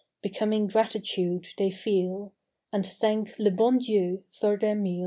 Becoming gratitude they feel. And thank le bon Dieii for their meal.